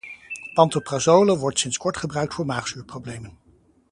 pantoprazole wordt sinds kort gebruikt voor maagzuurproblemen.